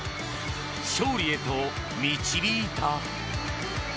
勝利へと導いた。